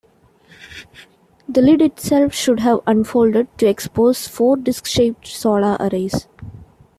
The lid itself should have unfolded to expose four disk-shaped solar arrays.